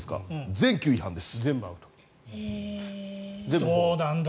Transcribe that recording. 全球違反です。